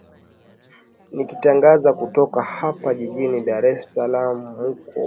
nikitangaza kutoka hapa jijini dar es salam muko